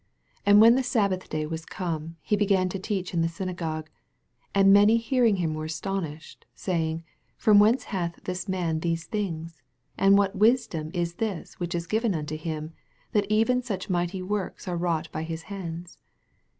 2 And when the sabbath day was come, he began to teach in the syna gogue: and many hearing Jiim were astonished, saying^, From whence hath this man these things? and what wis dom is this which is given unto him, that even euch mighty works are wrought by his hands